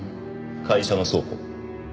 会社の倉庫。